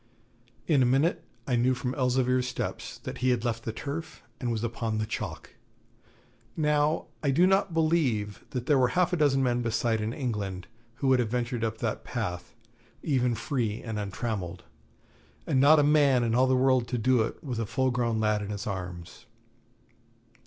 In a minute I knew from Elzevir's steps that he had left the turf and was upon the chalk. Now I do not believe that there were half a dozen men beside in England who would have ventured up that path, even free and untrammelled, and not a man in all the world to do it with a full grown lad in his arms.